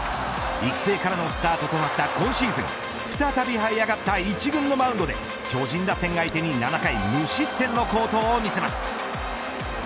育成からのスタートとなった今シーズン再び這い上がった１軍のマウンドで巨人打線相手に７回無失点の好投を見せます。